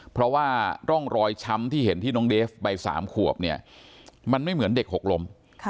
เพราะว่าร่องรอยช้ำที่เห็นที่น้องเดฟวัย๓ขวบเนี่ยมันไม่เหมือนเด็กหกลม